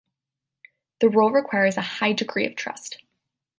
The role requires a high degree of trust.